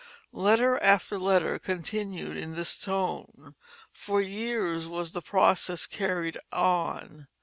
Letter after letter continued in this tone. For years was the process carried on.